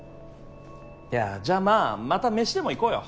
いやじゃあまあまたメシでも行こうよ。